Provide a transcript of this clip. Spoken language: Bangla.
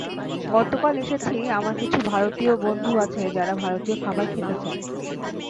গতকাল এসেছি আমার কিছু ভারতীয় বন্ধু আছে যারা ভারতীয় খাবার খেতে চায়।